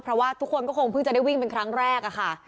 เพราะว่าทุกคนก็คงเพิ่งจะได้วิ่งเป็นครั้งแรกอะค่ะ